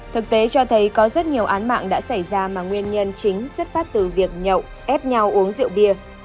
thực tế cho thấy có rất nhiều án mạng đã xảy ra mà nguyên nhân chính xuất phát từ việc nhậu ép nhau uống rượu bia